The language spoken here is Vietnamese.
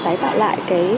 tái tạo lại